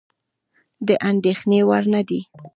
د اندېښنې وړ نه دي.